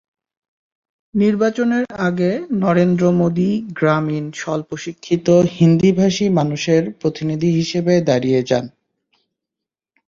নির্বাচনের আগে নরেন্দ্র মোদি গ্রামীণ স্বল্প-শিক্ষিত হিন্দিভাষী মানুষের প্রতিনিধি হিসেবে দাঁড়িয়ে যান।